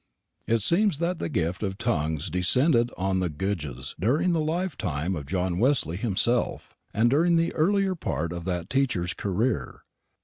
It seems that the gift of tongues descended on the Goodges during the lifetime of John Wesley himself, and during the earlier part of that teacher's career.